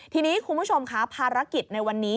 ทีนี้คุณผู้ชมค่ะภารกิจในวันนี้